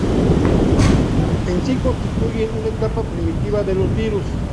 En sí constituyen una etapa primitiva de los virus.